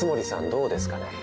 どうですかね？